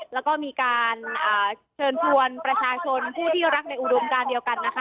แล้วก็มีการเชิญชวนประชาชนผู้ที่รักในอุดมการเดียวกันนะคะ